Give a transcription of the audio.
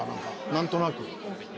何となく。